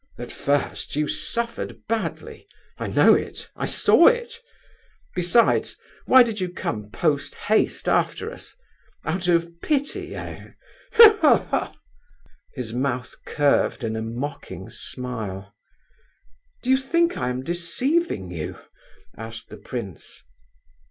At first you suffered badly—I know it—I saw it. Besides, why did you come post haste after us? Out of pity, eh? He, he, he!" His mouth curved in a mocking smile. "Do you think I am deceiving you?" asked the prince.